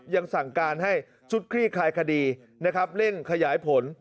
ยังสั่งการให้ชุดคลี่คลายคดีนะครับเร่งขยายผล